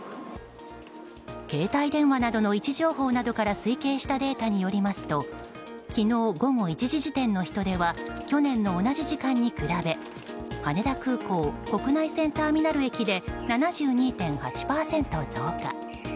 携帯電話などの位置情報などから推計したデータによりますと昨日午後１時時点の人出は去年の同じ時間に比べ羽田空港国内線ターミナル駅で７２．８％増加。